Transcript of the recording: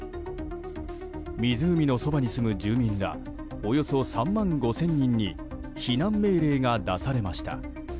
湖のそばに住む住民らおよそ３万５０００人に避難命令が出されました。